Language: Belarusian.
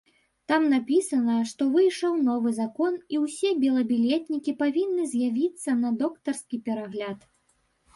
Там напісана, што выйшаў новы закон і ўсе белабілетнікі павінны з'явіцца на доктарскі перагляд.